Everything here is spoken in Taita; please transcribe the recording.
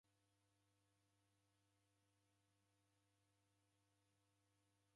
Mao orekanyangia choka ikamluma.